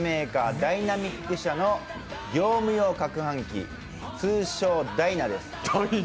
ダイナミック社の業務用かくはん機、通称ダイナです。